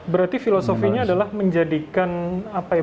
berarti filosofinya adalah menjadikan apa ya